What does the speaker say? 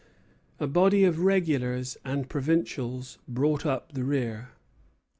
A body of regulars and provincials brought up the rear.